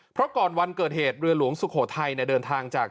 เพราะก่อนวันเกิดเหตุเรือหลวงสุโขทัยเดินทางจาก